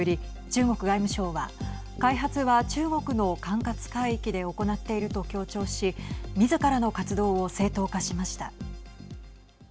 中国外務省は、開発は中国の管轄海域で行っていると強調しみずからの活動を正当化しました。